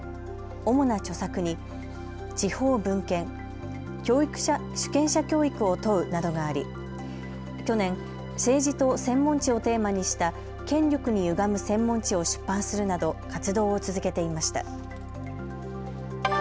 主な著作に地方分権、主権者教育を問うなどがあり去年、政治と専門知をテーマにした権力にゆがむ専門知を出版するなど活動を続けていました。